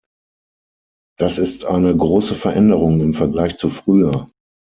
Das ist eine große Veränderung im Vergleich zu früher.